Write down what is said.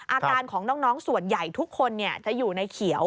อาการของน้องส่วนใหญ่ทุกคนจะอยู่ในเขียว